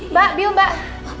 mbak biu mbak